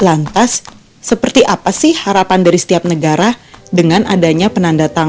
lantas seperti apa sih harapan dari setiap negara dengan adanya penanda tanganan